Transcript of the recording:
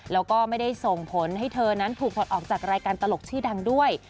แล้วก็ไม่ได้ส่งผลให้เธอนั้นถูกถอดออกจากรายการตลกชื่อดังด้วย